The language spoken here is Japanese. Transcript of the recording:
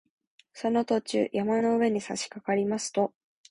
その途中、山の上にさしかかりますと